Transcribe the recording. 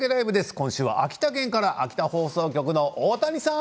今週は秋田県から秋田放送局の大谷さん。